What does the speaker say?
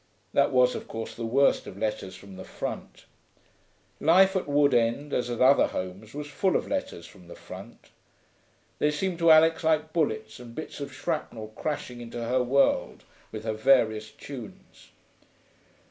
That was, of course, the worst of letters from the front. Life at Wood End, as at other homes, was full of letters from the front. They seemed to Alix like bullets and bits of shrapnel crashing into her world, with their various tunes.